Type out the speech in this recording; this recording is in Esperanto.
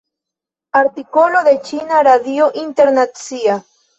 Artikolo de Ĉina Radio Internacia.